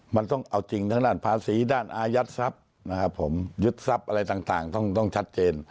มันต้องเอาจริงทั้งด้านภาษีด้านอายัดทรัพย์นะครับผมยึดทรัพย์อะไรต่างต้องชัดเจน